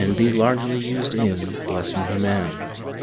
be largely used in blessing humanity.